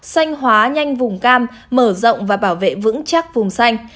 xanh hóa nhanh vùng cam mở rộng và bảo vệ vững chắc vùng xanh